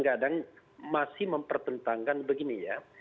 kadang masih mempertentangkan begini ya